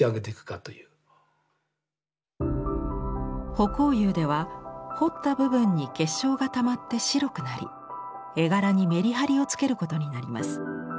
葆光釉では彫った部分に結晶がたまって白くなり絵柄にメリハリをつけることになります。